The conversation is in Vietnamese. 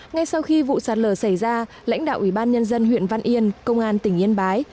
ngay sau khi vụ sạt lở xảy ra lãnh đạo ủy ban nhân dân huyện văn yên công an tỉnh yên bái